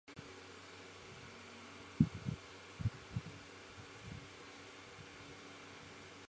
Batsman হিসেবে ক্যান্টারবারির পক্ষে তেমন ভালো খেলতে পারেননি ও দলে নিয়মিতভাবে খেলার সুযোগ থেকে বঞ্চিত হন।